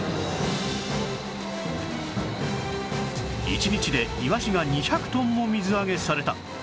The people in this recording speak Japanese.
１日でイワシが２００トンも水揚げされた